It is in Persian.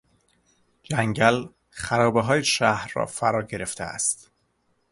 جنگل خرابههای شهر را فراگرفته است.